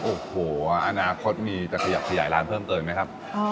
โอ้โหอนาคตมีจะขยับขยายร้านเพิ่มเติมไหมครับ